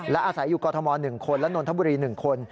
และอาศัยอยู่กรทม๑คนและนนทบุรี๑คน